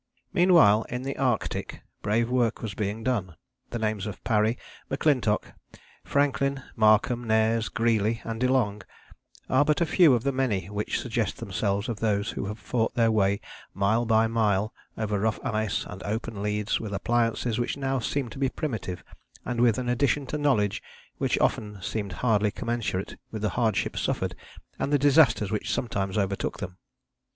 Meanwhile, in the Arctic, brave work was being done. The names of Parry, M'Clintock, Franklin, Markham, Nares, Greely and De Long are but a few of the many which suggest themselves of those who have fought their way mile by mile over rough ice and open leads with appliances which now seem to be primitive and with an addition to knowledge which often seemed hardly commensurate with the hardships suffered and the disasters which sometimes overtook them.